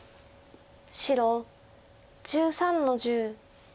白１３の十。